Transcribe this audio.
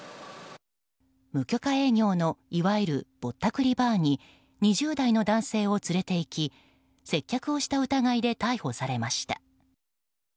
無許可営業のいわゆるぼったくりバーに２０代の男性を連れていき接客をした疑いで逮捕されました。